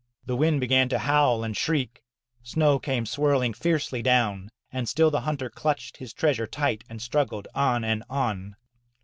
The wind began to howl and shriek, snow came swirling fiercely down. And still the hunter clutched his treasure tight and struggled on and on.